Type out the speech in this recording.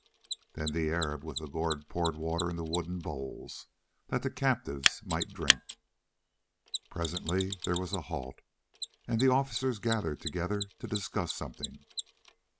Then the Arab with the gourd poured water into wooden bowls, that the captives might drink. Presently there was a halt, and the officers gathered together to discuss something.